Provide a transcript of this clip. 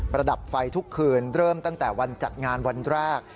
ระดับไฟทุกคืนเริ่มตั้งแต่วันจัดงานวันแรก